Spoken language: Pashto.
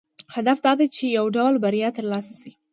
هدف دا دی چې یو ډول بریا ترلاسه شي.